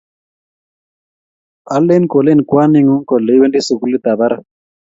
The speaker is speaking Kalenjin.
alen ko len kwaningu kole iwendi sukulit ab barak